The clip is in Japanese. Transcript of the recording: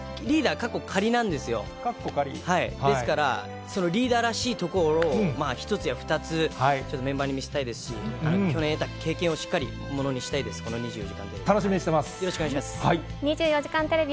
かっこ仮？ですからそのリーダーらしいところを、一つや二つ、ちょっとメンバーに見せたいですし、去年得た経験をしっかりものにしたいです、この２４時間テレビ。